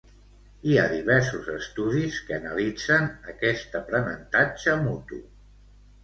Hi ha diversos estudis que analitzen aquest aprenentatge mutu.